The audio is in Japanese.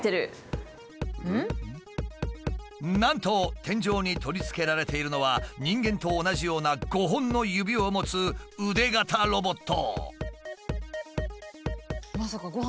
なんと天井に取り付けられているのは人間と同じような５本の指を持つ腕型ロボット。